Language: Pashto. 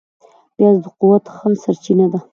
پیاز د قوت ښه سرچینه ده